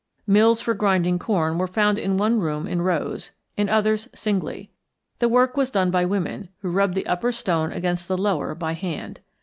Mills for grinding corn were found in one room in rows; in others, singly. The work was done by women, who rubbed the upper stone against the lower by hand.